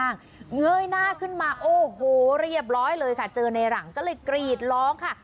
เงยหน้าขึ้นมาโอ้โหเรียบร้อยเลยค่ะเจอในหลังก็เลยกรีดร้องค่ะ